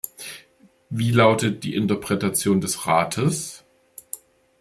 Wie lautet die Interpretation des Rates?